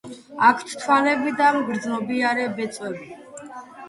აქვთ თვალები და მგრძნობიარე ბეწვები.